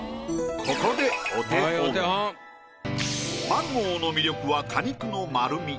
マンゴーの魅力は果肉の丸み。